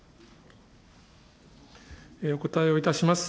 お答えをいたします。